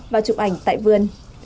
và chụp ảnh tại vườn